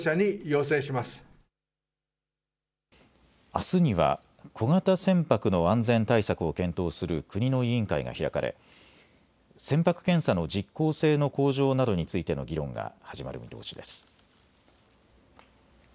あすには小型船舶の安全対策を検討する国の委員会が開かれ船舶検査の実効性の向上などについての議論が始まる見通しです。